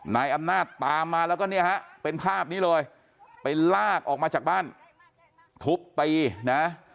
นายอำนาจตามมาแล้วก็เนี่ยฮะเป็นภาพนี้เลยไปลากออกมาจากบ้านทุบตีนะ